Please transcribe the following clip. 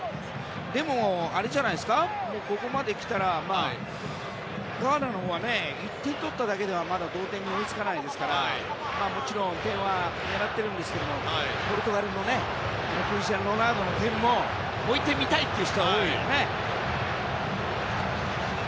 でも、ここまで来たらガーナのほうは１点取っただけではまだ同点に追いつかないですからもちろん、点は狙っていますけどポルトガルもクリスティアーノ・ロナウドの点をもう１点見たい人は多いよね。